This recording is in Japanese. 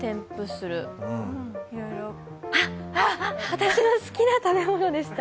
あっ、私の好きな食べ物でした。